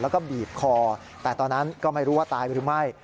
แล้วก็บีบคอแต่ตอนนั้นก็ไม่รู้ว่าตายหรือไม่